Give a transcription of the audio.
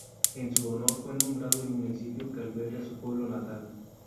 En su honor fue nombrado el municipio que alberga su pueblo natal.